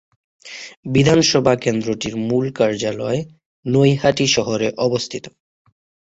বিধানসভা কেন্দ্রটির মূল কার্যালয় নৈহাটি শহরে অবস্থিত।